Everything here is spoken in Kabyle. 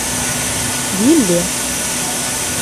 D yelli.